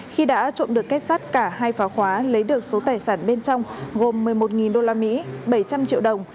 khi đã trộm được kết sắt cả hai phá khóa lấy được số tài sản bên trong gồm một mươi một usd bảy trăm linh triệu đồng